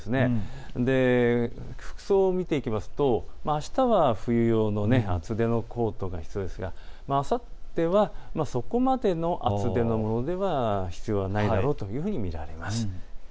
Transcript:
服装を見ていくと、あしたは冬用の厚手のコートが必要ですがあさってはそこまでの厚手のものは必要ないと見られます。